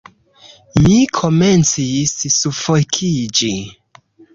Mi komencis sufokiĝi.